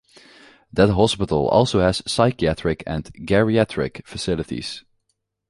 That hospital also has psychiatric and geriatric facilities.